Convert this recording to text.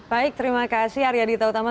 baik terima kasih arya dita utama